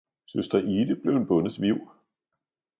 - Søster Ide blev en Bondes Viv!